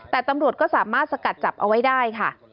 แต่ตำรวจก็สามารถสกัดจับเอาไว้ได้ค่ะ